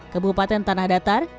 kabupaten tanah datar